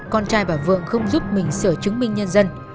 con trai bà vượng không giúp mình sửa chứng minh nhân dân